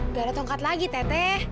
udah ada tongkat lagi teteh